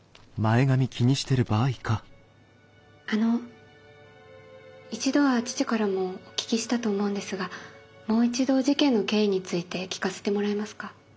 あの一度は父からもお聞きしたと思うんですがもう一度事件の経緯について聞かせてもらえますか？